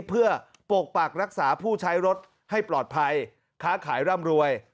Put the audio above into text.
เพื่อปกปักรักษาผู้ใช้รถให้ปลอดภัยค้าขายร่ำรวย